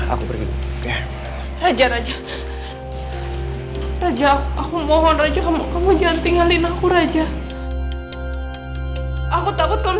aku pergi raja raja aku mohon raja kamu kamu jangan tinggalin aku raja aku takut kalau